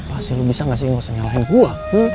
pasti lu bisa gak sih gak usah nyalahin gua